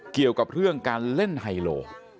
เกี่ยวกับเรื่องการเล่นไฮโล